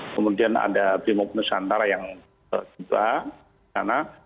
kemudian ada bimuk nusantara yang juga di sana